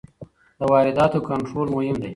د وارداتو کنټرول مهم دی.